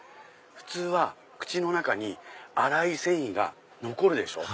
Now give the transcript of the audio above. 普通は口の中に粗い繊維が残るでしょ。